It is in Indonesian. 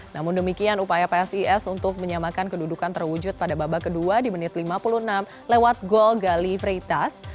namun demikian upaya psis untuk menyamakan kedudukan terwujud pada babak kedua di menit lima puluh enam lewat gol gali freitas